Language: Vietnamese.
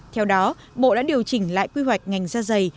theo đó bộ đã điều chỉnh lại quy hoạch ngành da dày